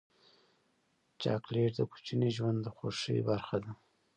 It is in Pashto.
چاکلېټ د کوچني ژوند د خوښۍ برخه ده.